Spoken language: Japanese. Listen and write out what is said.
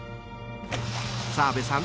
［澤部さん。